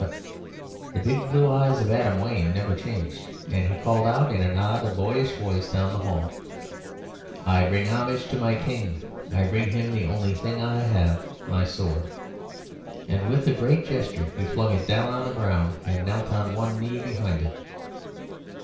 But the big blue eyes of Adam Wayne never changed, and he called out in an odd, boyish voice down the hall "I bring homage to my King. I bring him the only thing I have my sword." And with a great gesture he flung it down on the ground, and knelt on one knee behind it.